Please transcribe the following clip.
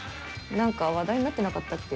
何か話題になってなかったっけ？